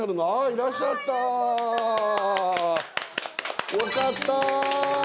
いらっしゃった！よかった！